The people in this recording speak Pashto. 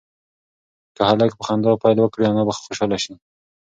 که هلک په خندا پیل وکړي انا به خوشحاله شي.